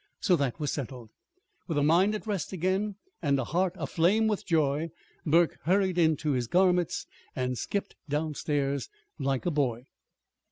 So that was settled. With a mind at rest again and a heart aflame with joy, Burke hurried into his garments and skipped downstairs like a boy.